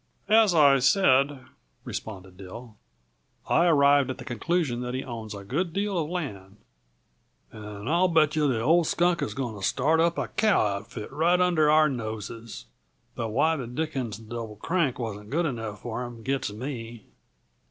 "As I said," responded Dill, "I arrived at the conclusion that he owns a good deal of land." "And I'll bet yuh the old skunk is going to start up a cow outfit right under our noses though why the dickens the Double Crank wasn't good enough for him gets me."